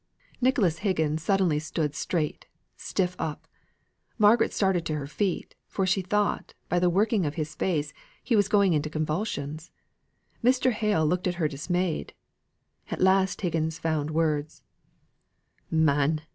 Nicholas Higgins suddenly stood straight, stiff up. Margaret started to her feet, for she thought, by the working of his face, he was going into convulsions. Mr. Hale looked at her dismayed. At last Higgins found words: "Man!